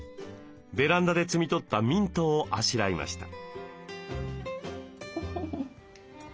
ベランダで摘み取ったミントをあしらいました。